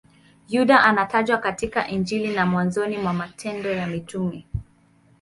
Yuda anatajwa katika Injili na mwanzoni mwa Matendo ya Mitume.